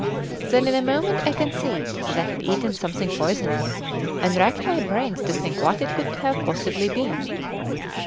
Then in a moment I conceived that I had eaten something poisonous, and racked my brains to think what it could possibly have been.